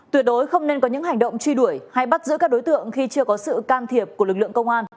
tuyệt đối không nên có những hành động truy đuổi hay bắt giữ các đối tượng khi chưa có sự can thiệp của lực lượng công an